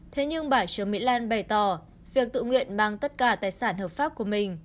thế nhưng bà trương mỹ lan bày tỏ việc tự nguyện mang tất cả tài sản hợp pháp của mình